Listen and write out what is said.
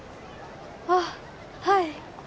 あっはい。